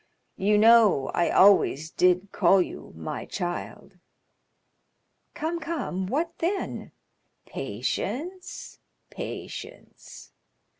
You know I always did call you my child." "Come, come, what then?" "Patience—patience!"